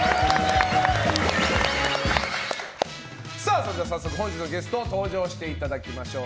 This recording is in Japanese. それでは早速本日のゲスト登場していただきましょう。